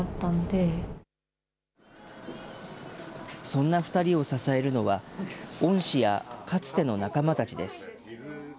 そんな２人を支えるのは、恩師やかつての仲間たちです。